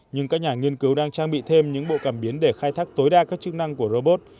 nhưng các nhà nghiên cứu đang trang bị thêm những bộ cảm biến để khai thác tối đa các chức năng của robot